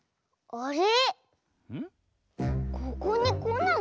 あれ？